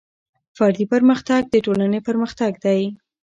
فردي پرمختګ د ټولنې پرمختګ دی.